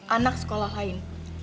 anak sekolah lain